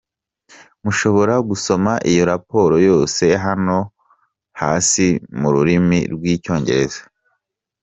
Mushobora gusoma iyo raporo yose hano hasi mu rurimi rw’icyongereza: